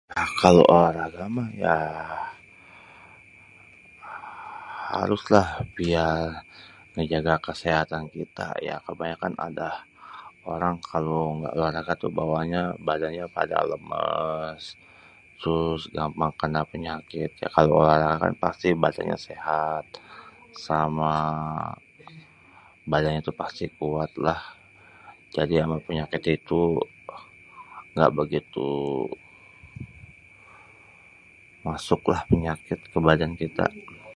kalo olahraga mah ya harus lah biar ngejaga kesehatan kita.. ya kebanyakan ada orang kalo ngga olahraga tuh bawaannya badannya pada lèmès terus gampang kèna penyakit.. ya kalo olahraga kan pasti badannya sehat.. sama badannya pasti kuat lah.. jadi ama penyakit itu èngga begitu masuk lah penyakit ke badan kita..